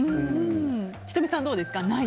仁美さん、どうですか？